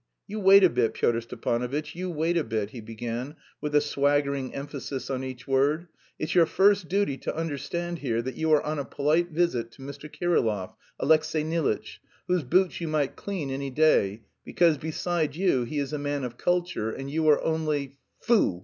"You wait a bit, Pyotr Stepanovitch, you wait a bit," he began, with a swaggering emphasis on each word, "it's your first duty to understand here that you are on a polite visit to Mr. Kirillov, Alexey Nilitch, whose boots you might clean any day, because beside you he is a man of culture and you are only foo!"